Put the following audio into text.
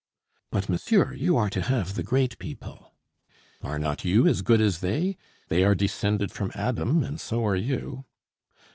"But monsieur, you are to have the great people." "Are not you as good as they? They are descended from Adam, and so are you."